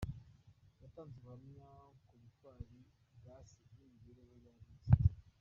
Yatanze ubuhamya ku butwari bwa Se n’imibereho y’abo yasize.